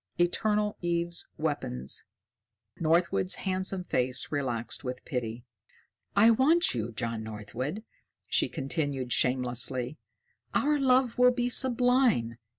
Eternal Eve's weapons! Northwood's handsome face relaxed with pity. "I want you, John Northwood," she continued shamelessly. "Our love will be sublime."